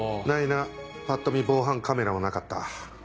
ないなパッと見防犯カメラもなかった。